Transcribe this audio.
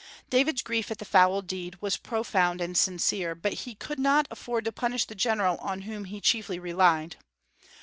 David's grief at the foul deed was profound and sincere, but he could not afford to punish the general on whom he chiefly relied.